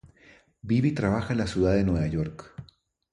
Vive y trabaja en la ciudad de Nueva York.